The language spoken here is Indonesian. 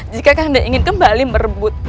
jika anda ingin kembali merebut